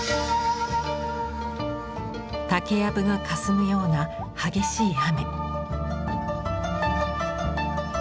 竹やぶがかすむような激しい雨。